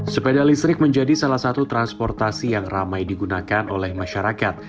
sepeda listrik menjadi salah satu transportasi yang ramai digunakan oleh masyarakat